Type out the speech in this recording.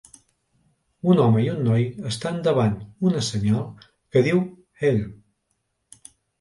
Un home i un noi estan davant una senyal que diu HELL.